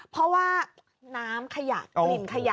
เพราะว่าน้ำขยะกลิ่นขยะ